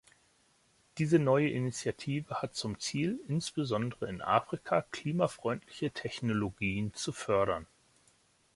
Diese neue Initiative hat zum Ziel, insbesondere in Afrika klimafreundliche Technologien zu fördern.